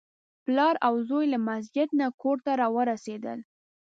پلار او زوی له مسجد نه کور ته راورسېدل.